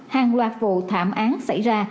hàng loạt vụ thảm án xảy ra